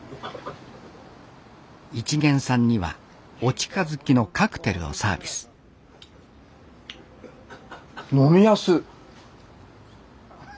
一見さんにはお近づきのカクテルをサービス飲みやすい。